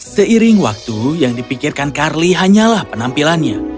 seiring waktu yang dipikirkan carly hanyalah penampilannya